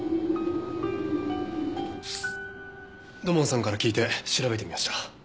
土門さんから聞いて調べてみました。